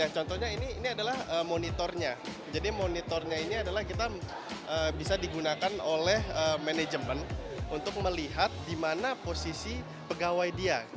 contohnya ini adalah monitornya jadi monitornya ini adalah kita bisa digunakan oleh manajemen untuk melihat di mana posisi pegawai dia